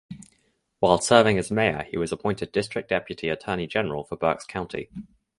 While serving as Mayor he was appointed District Deputy Attorney General for Berks County.